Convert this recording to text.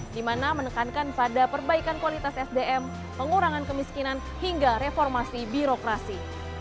di mana menekankan pada perbaikan kualitas sdm pengurangan kemiskinan hingga reformasi birokrasi